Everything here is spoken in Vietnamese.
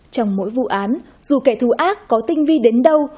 trong mỗi vụ án dù kẻ thù ác có tinh vi đến đâu